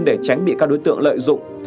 để tránh bị các đối tượng lợi dụng